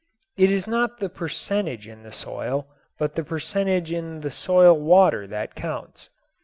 It is not the percentage in the soil but the percentage in the soil water that counts.